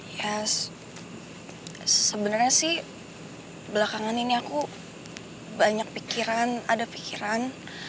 ya sebenarnya sih belakangan ini aku banyak pikiran ada pikiran